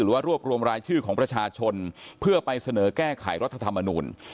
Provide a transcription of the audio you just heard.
ว่ารวบรวมรายชื่อของประชาชนเพื่อไปเสนอแก้ไขรัฐธรรมนูล